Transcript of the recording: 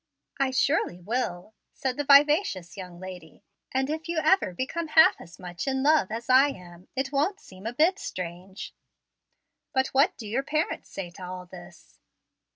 "I surely will," said the vivacious young lady; "and if you ever become half as much in love as I am, it won't seem a bit strange." "But what do your parents say to all this?"